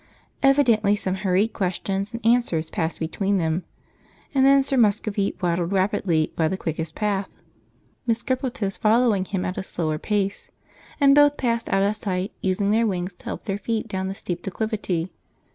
Evidently some hurried questions and answers passed between them, and then Sir Muscovy waddled rapidly by the quickest path, Miss Crippletoes following him at a slower pace, and both passed out of sight, using their wings to help their feet down the steep declivity.